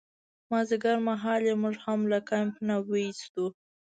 مازدیګرمهال یې موږ هم له کمپ نه ویستو.